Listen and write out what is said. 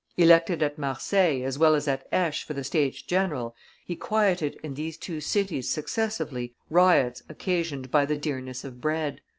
Elected at Marseilles as well as at Aix for the States general, he quieted in these two cities successively riots occasioned by the dearness of bread.